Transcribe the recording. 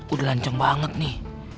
udah lanceng banget nih